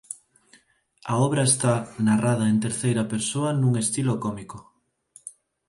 A obra está narrada en terceira persoa nun estilo cómico.